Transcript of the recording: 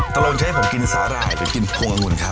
ตรงนี้ให้ผมกินสาหร่ายไปกินพวงองุ่นครับ